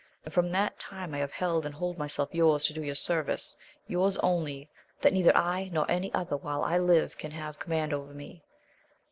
And from that time I have held and hold myself youi*s to do you service : yours only, that neither I nor any other while I live can have com mand over me.